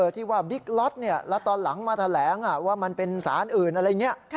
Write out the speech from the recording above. ที่ว่าบิ๊กล็อตแล้วตอนหลังมาแถลงว่ามันเป็นสารอื่นอะไรอย่างนี้